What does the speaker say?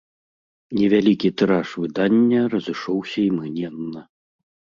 Невялікі тыраж выдання разышоўся імгненна.